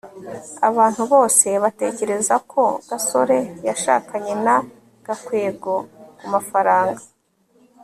abantu bose batekereza ko gasore yashakanye na gakwego kumafaranga